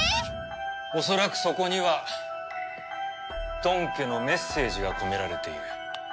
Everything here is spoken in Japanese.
恐らくそこにはドン家のメッセージが込められている。